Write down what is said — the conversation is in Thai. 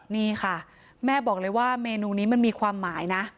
นี่ค่ะแม่บอกเลยว่าเมนูนี้มันมีความหมายนะ